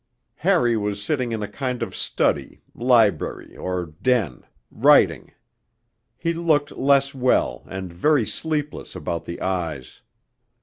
Harry was sitting in a kind of study, library, or den, writing; he looked less well, and very sleepless about the eyes.